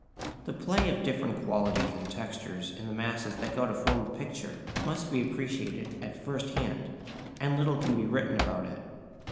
The play of different qualities and textures in the masses that go to form a picture must be appreciated at first hand, and little can be written about it.